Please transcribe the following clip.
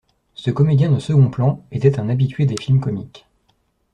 Ce comédien de second plan était un habitué des films comiques.